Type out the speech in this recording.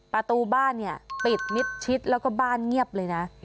ประตูบ้านเนี่ยปิดมิดชิดแล้วก็บ้านเงียบเลยนะ